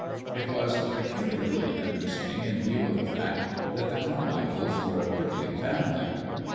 It was peculiarly interesting in view of the fact that the Carmichaels were a cricketing family.